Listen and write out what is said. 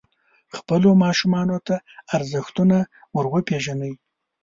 خپلو ماشومانو ته ارزښتونه وروپېژنئ.